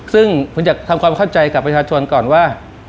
ซึ่งผมอยากทำความเข้าใจกับประชาชนก่อนว่า